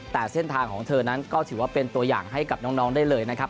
แต่เส้นทางของเธอนั้นก็ถือว่าเป็นตัวอย่างให้กับน้องได้เลยนะครับ